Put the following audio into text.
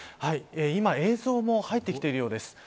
今、映像も入ってきているようです。